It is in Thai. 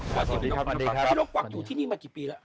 สวัสดีครับคุณนกกวังอยู่ที่นี่มากี่ปีแล้ว